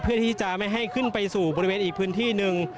เพื่อที่จะไม่ให้ขึ้นไปสู่บริเวณอีกพื้นที่หนึ่ง